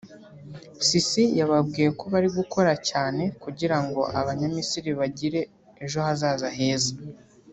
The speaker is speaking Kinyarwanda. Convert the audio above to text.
Sisi yababwiye ko bari gukora cyane kugira ngo abanya-Misiri bagire ejo hazaza heza